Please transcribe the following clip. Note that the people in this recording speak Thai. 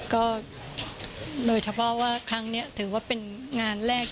ก็โดยเฉพาะว่าครั้งนี้ถือว่าเป็นงานแรก